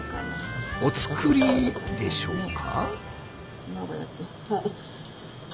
お造りでしょうか？